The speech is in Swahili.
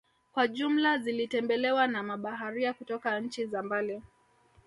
Kwa jumla zilitembelewa na mabaharia kutoka nchi za mbali